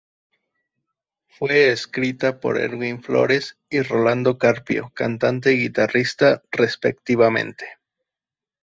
Fue escrita por Erwin Flores y Rolando Carpio, cantante y guitarrista respectivamente.